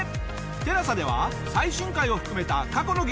ＴＥＬＡＳＡでは最新回を含めた過去の『激レアさん』が見放題。